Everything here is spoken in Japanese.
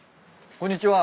こんにちは。